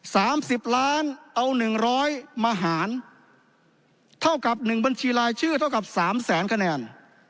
สามสิบล้านเอาหนึ่งร้อยมาหารเท่ากับหนึ่งบัญชีรายชื่อเท่ากับสามแสนคะแนน